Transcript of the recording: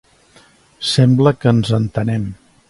Sembla que ens entenem.